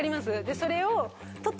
それを。